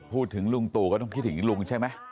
พูดถึงลุงตู้ก็ต้องคินถึงลุงใช่แม่